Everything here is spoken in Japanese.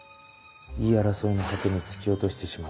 言い争いの果てに突き落としてしまった。